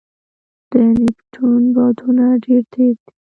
د نیپټون بادونه ډېر تېز دي.